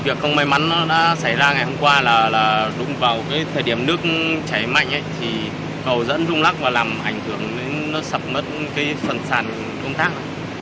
vì vậy công tác tìm kiếm gặp nhiều khó khăn